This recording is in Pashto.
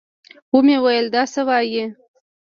ومې ويل دا څه وايې.